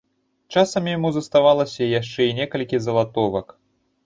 Часам яму заставалася яшчэ і некалькі залатовак.